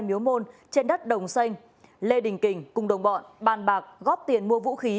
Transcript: miếu môn trên đất đồng xanh lê đình kình cùng đồng bọn bàn bạc góp tiền mua vũ khí